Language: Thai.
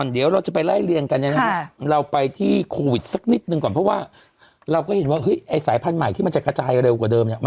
สายพันธุ์ใหม่ที่มันจะกระจายเร็วกว่าเดิม